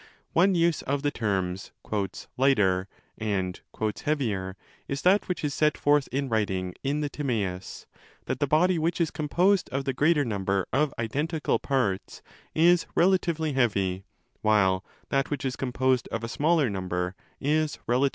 One use of the terms 'lighter' and 'heavier' is that which is set forth in writing 5 in the Zzmaeus,' that the body which is composed of the greater number of identical parts is relatively heavy, while that which is composed of a smaller number is relatively 1 Read ὥσπερ with FHMJ.